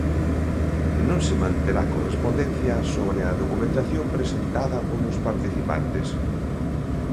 Non se manterá correspondencia sobre a documentación presentada polos participantes.